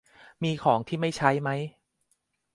มีของที่ไม่ใช้ไหม